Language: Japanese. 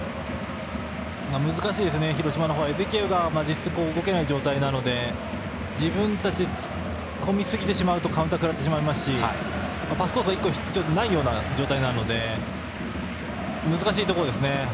難しいですね、広島の方はエゼキエウが実質動けない状態なので自分たちが突っ込みすぎるとカウンターを食らってしまうしパスコースが１個ないような状態なので難しいところですね。